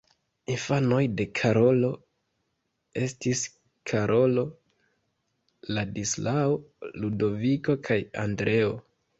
Infanoj de Karolo estis Karolo, Ladislao, Ludoviko kaj Andreo.